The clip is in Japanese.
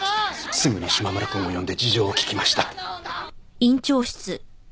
すぐに島村くんを呼んで事情を聴きました。